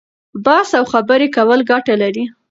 بحث او خبرې کول ګټه لري.